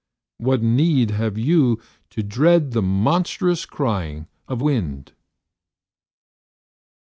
What need have you to dread The monstrous crying of wind?